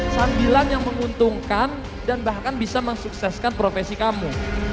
sambilan yang menguntungkan dan bahkan bisa mensukseskan profesi kamu